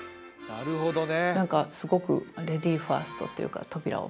なるほどね！